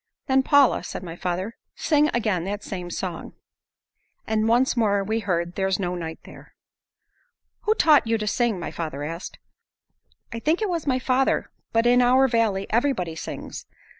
"Then, Paula," said my father, "sing again that same song." And once more we heard, "There's no night there." "Who taught you to sing?" my father asked. "I think it was my father. But in our valley, everybody sings.